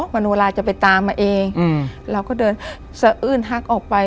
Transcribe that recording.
มโนลาจะไปตามมาเองเราก็เดินสะอื้นฮักออกไป